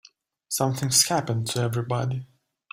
Something's happened to everybody.